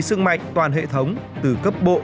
sức mạnh toàn hệ thống từ cấp bộ